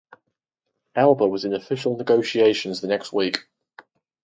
Elba was in official negotiations the next week.